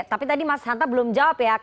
tapi tadi mas hanta belum jawab ya